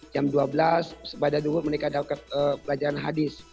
jam dua belas pada dulu mereka dapat pelajaran hadis